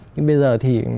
nhưng bây giờ thì